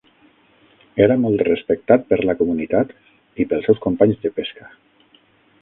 Era molt respectat per la comunitat i pels seus companys de pesca.